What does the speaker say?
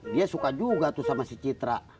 dia suka juga tuh sama si citra